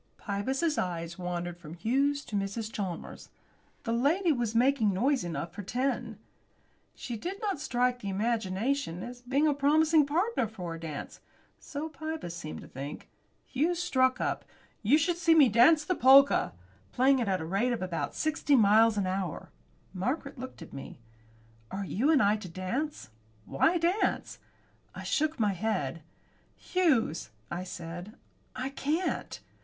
Pybus's eyes wandered from Hughes to Mrs. Chalmers. The lady was making noise enough for ten. She did not strike the imagination as being a promising partner for a dance. So Pybus seemed to think. Hughes struck up, "You should see me dance the polka," playing it at the rate of about sixty miles an hour. Margaret looked at me. "Are you and I to dance? Why dance?" I shook my head. "Hughes," I said, "I can't."